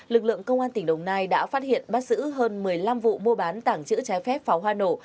lực lượng công an tỉnh đồng nai đã phát hiện bắt giữ hơn một mươi năm vụ mua bán tảng chữ trái phép pháo hoa nổ